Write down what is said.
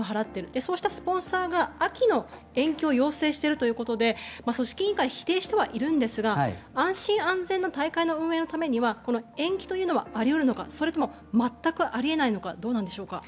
そうしたスポンサーが秋への延期を要求しているということで組織委員会は否定しているんですが安心安全の大会運営のためなら延期はあり得るのかそれは全くないのかどうなんでしょうか？